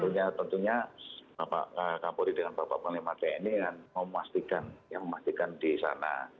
nah tentunya bapak kapuri dengan bapak anglima deni yang memastikan di sana